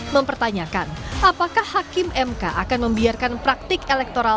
mempertanyakan apakah hakim mk akan membiarkan praktik elektoral